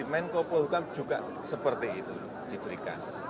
menko polhukam juga seperti itu diberikan